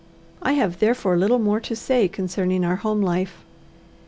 I have therefore little more to say concerning our home life.